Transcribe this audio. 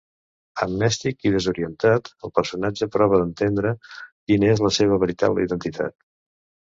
Amnèsic i desorientat, el personatge prova d'entendre quina és la seva veritable identitat.